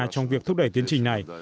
trong việc thúc đẩy tiến trình này